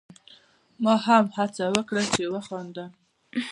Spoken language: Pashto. ما هم هڅه وکړه چې وخاندم.